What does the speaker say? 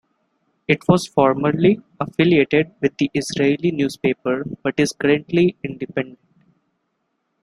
It was formerly affiliated with the Israeli newspaper, but is currently independent.